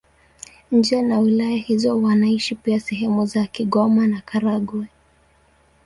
Nje na wilaya hizo wanaishi pia sehemu za Kigoma na Karagwe.